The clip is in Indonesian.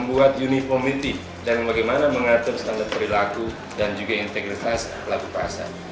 membuat uni komite dan bagaimana mengatur standar perilaku dan juga integritas pelaku pasar